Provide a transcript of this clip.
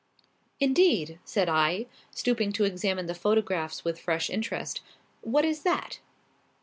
"Indeed!" said I, stooping to examine the photographs with fresh interest; "what is that?"